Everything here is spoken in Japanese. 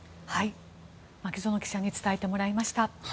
牧園記者に伝えてもらいました。